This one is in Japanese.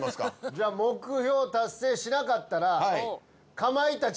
じゃあ、目標達成しなかったらかまいたち